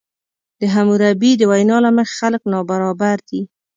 د حموربي د وینا له مخې خلک نابرابر دي.